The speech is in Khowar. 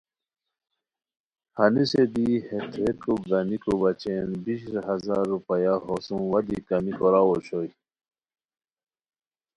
ہنیسے دی ہے تھوویکو گنیکو بچین بیشیر ہزار روپیہ ہوسُم وا دی کمی کوراؤ اوشونی